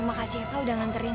makasih ya kak udah nganterin